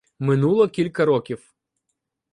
Минуло кілька років.